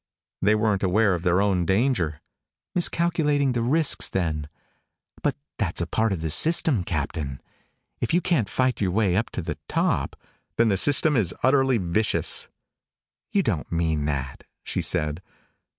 "They weren't aware of their own danger." "Miscalculating the risks then? But that's part of the system, Captain. If you can't fight your way up to the top " "Then the system is utterly vicious." "You don't mean that," she said.